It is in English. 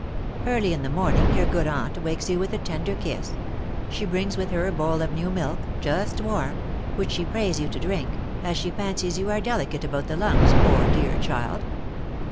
"Early in the morning your good aunt wakes you with a tender kiss; she brings with her a bowl of new milk, just warm, which she prays you to drink, as she fancies you are delicate about the lungs, poor dear child!